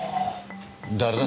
誰だ？